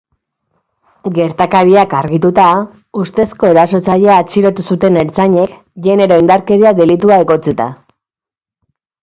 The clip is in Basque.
Gertakariak argituta, ustezko erasotzailea atxilotu zuten ertzainek genero indarkeria delitua egotzita.